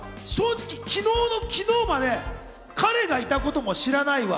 昨日の昨日まで彼がいたことも知らないわ。